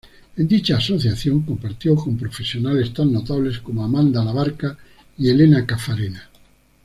En dicha asociación compartió con profesionales tan notables como Amanda Labarca y Elena Caffarena.